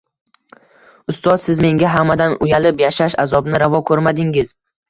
Ustoz, siz menga hammadan uyalib yashash azobini ravo koʻrmadingiz.